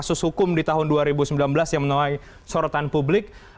kasus hukum di tahun dua ribu sembilan belas yang menuai sorotan publik